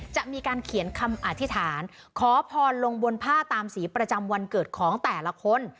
จะมีการเขียนคำอธิษฐานขอพรลงบนผ้าตามสีประจำวันเกิดของแต่ละคน